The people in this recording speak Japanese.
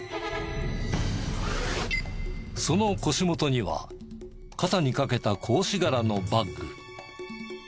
その腰元には肩に掛けた格子柄のバッグ。